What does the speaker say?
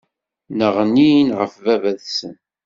Nneɣnin ɣef baba-tsen.